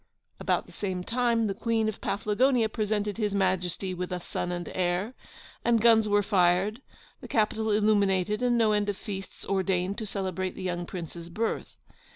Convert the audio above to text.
About the same time the Queen of Paflagonia presented His Majesty with a son and heir; and guns were fired, the capital illuminated, and no end of feasts ordained to celebrate the young Prince's birth.